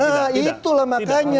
nah itulah makanya